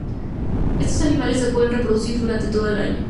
Estos animales se pueden reproducir durante todo el año.